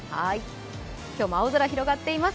今日も青空広がっています。